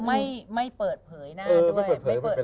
ให้ใดว่าไม่เปิดเผยหน้าด้วย